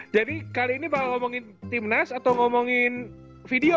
jadi kali ini bakal ngomongin timnas atau ngomongin video